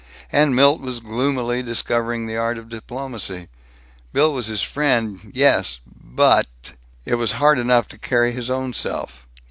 And Milt was gloomily discovering the art of diplomacy. Bill was his friend, yes, but It was hard enough to carry his own self.